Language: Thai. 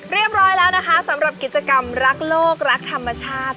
เรียบร้อยแล้วนะคะสำหรับกิจกรรมรักโลกรักธรรมชาติ